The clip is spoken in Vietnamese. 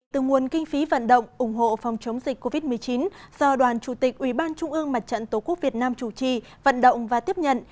từ nguồn kinh phí vận động ủng hộ phòng chống dịch covid một mươi chín do đoàn chủ tịch ủy ban trung ương mặt trận tổ quốc việt nam chủ trì vận động và tiếp nhận